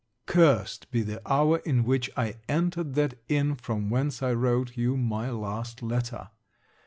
Cursed be the hour in which I entered that inn, from whence I wrote you my last letter!